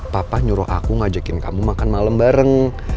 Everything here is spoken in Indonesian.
papa nyuruh aku ngajakin kamu makan malam bareng